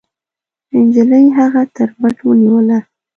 نجلۍ هغه تر مټ ونيوله.